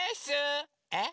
えっ？